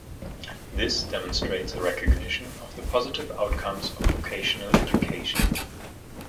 This demonstrates a recognition of the positive outcomes of vocational education.